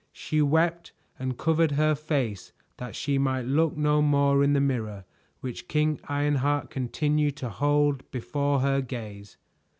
She wept and covered her face that she might look no more in the mirror which King Ironheart continued to hold before her gaze.